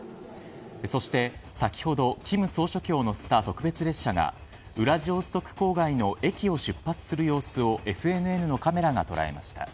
そして先ほど金総書記を乗せた特別列車がウラジオストク郊外の駅を出発する様子をＦＮＮのカメラが捉えました。